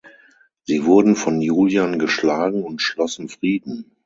Sie wurden von Julian geschlagen und schlossen Frieden.